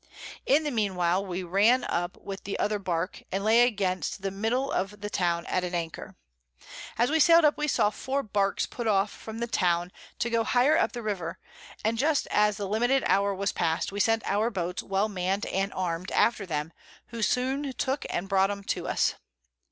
In the mean while we ran up with the other Bark, and lay against the Middle of the Town at an Anchor. As we sail'd up we saw 4 Barks put off from the Town to go higher up the River, and just as the limited Hour was past, we sent our Boats well mann'd and arm'd after them, who soon took and brought 'em to us.